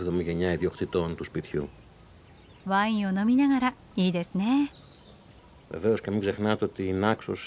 ワインを飲みながらいいですね。